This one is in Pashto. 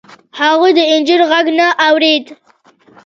هغوی د نجونو غږ نه اورېد.